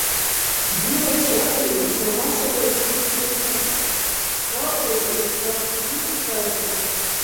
Дила чархлизи тамашала зим бухӀнабикиб, хапдарили, хъаткни касира.